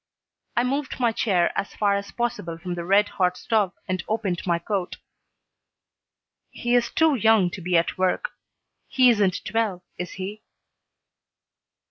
I moved my chair as far as possible from the red hot stove and opened my coat. "He is too young to be at work. He isn't twelve, is he?"